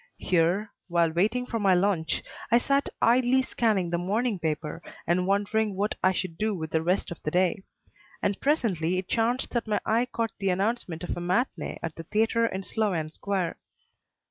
Here, while waiting for my lunch, I sat idly scanning the morning paper and wondering what I should do with the rest of the day; and presently it chanced that my eye caught the announcement of a matinée at the theatre in Sloane Square.